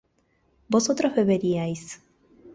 vosotros beberíais